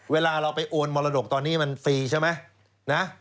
เวลาเราไปโอนมรดกตอนนี้มันฟรีใช่ไหมนะ